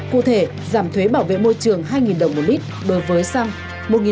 cụ thể giảm thuế bảo vệ môi trường hai đồng một lít đối với xăng